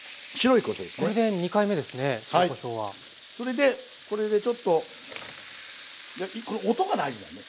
それでこれでちょっとこの音が大事だね。